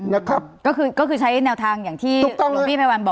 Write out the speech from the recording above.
นะครับก็คือก็คือใช้แนวทางอย่างที่หลวงพี่ไพรวัลบอก